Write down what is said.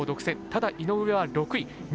ただ、井上は６位。